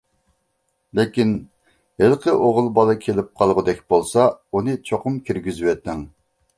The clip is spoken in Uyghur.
لېكىن، ھېلىقى ئوغۇل بالا كېلىپ قالغۇدەك بولسا، ئۇنى چوقۇم كىرگۈزۈۋېتىڭ.